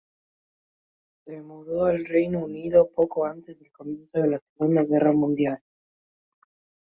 Se mudó al Reino Unido poco antes del comienzo de la Segunda Guerra Mundial.